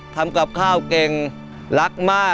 ทำกับข้าวเก่งรักมาก